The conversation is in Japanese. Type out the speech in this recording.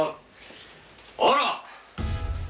あら。